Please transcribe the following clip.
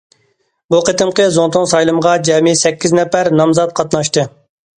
بۇ قېتىمقى زۇڭتۇڭ سايلىمىغا جەمئىي سەككىز نەپەر نامزات قاتناشتى.